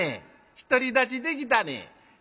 独り立ちできたね。